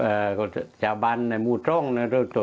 ว่าตัวทุ่งคาเนี่ยเป็นให้จางบัญในหมู่จรงนะนะ